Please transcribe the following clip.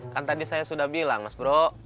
kan tadi saya sudah bilang mas bro